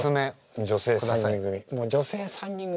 女性３人組。